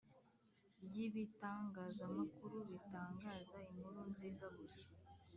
ry ibitangazamakuru bitangaza inkuru nziza gusa